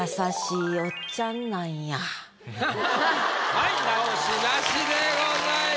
はい直しなしでございます。